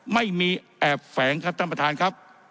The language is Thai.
ไม่มีแอบแฝงครับท่านประธานครับ